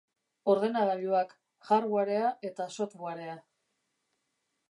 Ordenagailuak, hardwarea eta softwarea.